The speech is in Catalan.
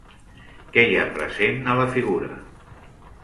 Què hi ha present a la figura?